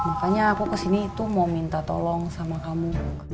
makanya aku kesini itu mau minta tolong sama kamu